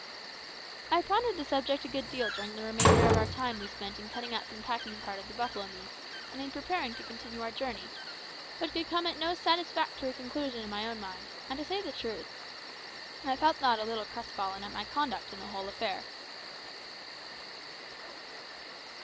I pondered the subject a good deal during the remainder of the time we spent in cutting up and packing part of the buffalo meat, and in preparing to continue our journey, but could come at no satisfactory conclusion in my own mind, and, to say truth, I felt not a little crestfallen at my conduct in the whole affair.